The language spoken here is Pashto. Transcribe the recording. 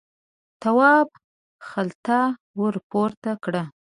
تواب خلته ور پورته کړه.